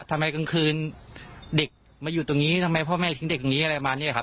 กลางคืนเด็กมาอยู่ตรงนี้ทำไมพ่อแม่ทิ้งเด็กตรงนี้อะไรมานี่แหละครับ